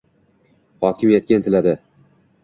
hokimiyatga intiladi